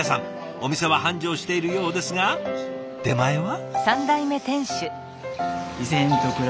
お店は繁盛しているようですが出前は？